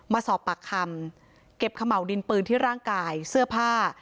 มาสอบปากคำเก็บขม่าวดินปืนที่ร่างกายเสื้อผ้า